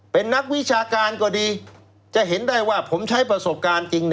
เป็นนักวิชาการก็ดีจะเห็นได้ว่าผมใช้ประสบการณ์จริง